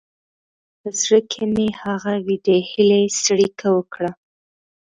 په زړه کې مې هغه وېډې هیلې څړیکه وکړه.